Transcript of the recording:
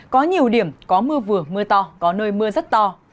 có nhiều điểm có mưa vừa mưa to có nơi mưa rất to